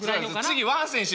次「ワン選手」